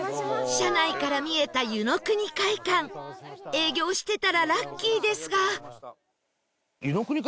車内から見えた湯の国会館営業してたらラッキーですが